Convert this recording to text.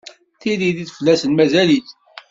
Tiririt fell-asen mazal-itt